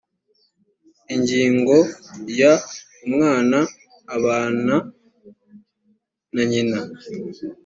ingingo ya umwana ubana na nyina